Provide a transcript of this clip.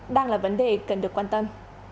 đang là vấn đề cần được quan tâm